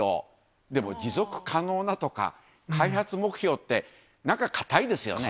でも持続可能なとか、開発目標って、なんか堅いですよね。